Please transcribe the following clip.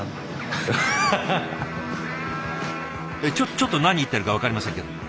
ちょっと何言ってるか分かりませんけども。